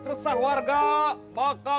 resah warga maka